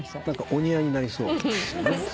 お似合いになりそうですよねすごくね。